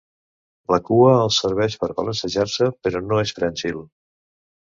La cua els serveix per balancejar-se però no és prènsil.